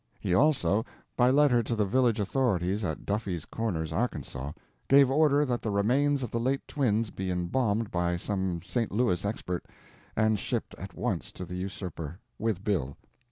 He also, by letter to the village authorities at Duffy's Corners, Arkansas, gave order that the remains of the late twins be embalmed by some St. Louis expert and shipped at once to the usurper—with bill.